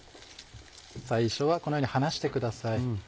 最初はこのように離してください。